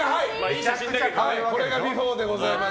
これがビフォーでございます。